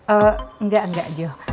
ee enggak enggak jo